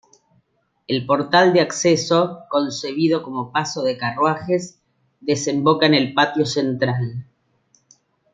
El portal de acceso, concebido como paso de carruajes, desemboca en el patio central.